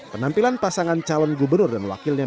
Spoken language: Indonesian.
penampilan pasangan calon gubernur dan wakilnya